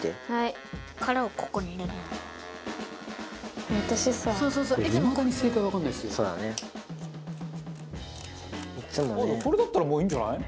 「これだったらまあいいんじゃない？」